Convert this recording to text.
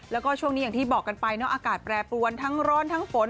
แล้วก็ช่วงนี้อย่างที่บอกกันไปเนาะอากาศแปรปรวนทั้งร้อนทั้งฝน